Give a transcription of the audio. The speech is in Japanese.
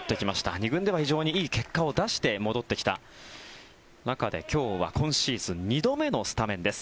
２軍では非常にいい結果を出して戻ってきた中で、今日は今シーズン２度目のスタメンです。